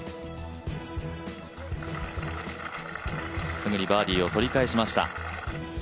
すぐにバーディーを取り返しました。